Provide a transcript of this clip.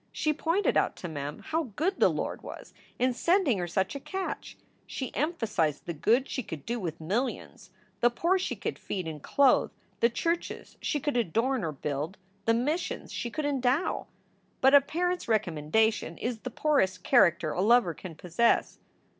She pointed out to Mem how good the Lord was in sending her such a catch. She emphasized the good she could do with millions; the poor she could feed and clothe; the churches she could adorn or build ; the missions she could endow. But a parent s recom mendation is the poorest character a lover can possess.